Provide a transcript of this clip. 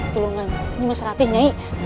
tolonglah nimas ratihnya